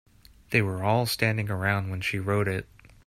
They were all standing around when she wrote it.